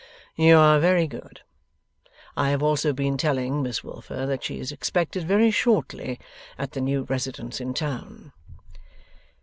'You are very good. I have also been telling Miss Wilfer that she is expected very shortly at the new residence in town.